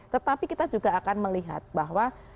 tetapi kita juga akan melihat bahwa